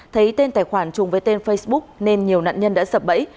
thấy tên tài khoản chung với tên facebook nên nhiều nạn nhân đã sập bẫy